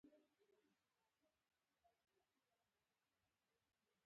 په فرانسه او جاپان کې د انقلابونو پروسه ولیده.